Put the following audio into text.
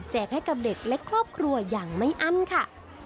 ให้กับเด็กและครอบครัวอย่างไม่อั้นค่ะ